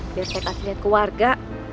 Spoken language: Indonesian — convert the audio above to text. biar saya kasih lihat ke warga